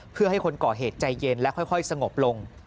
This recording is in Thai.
เพื่อให้คนก่อเหตุใจเย็นและค่อยสงบลง